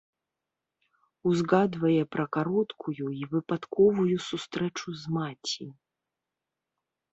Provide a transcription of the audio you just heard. Узгадвае пра кароткую і выпадковую сустрэчу з маці.